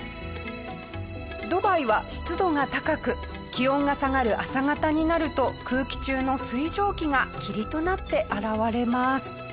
ドバイは湿度が高く気温が下がる朝方になると空気中の水蒸気が霧となって現れます。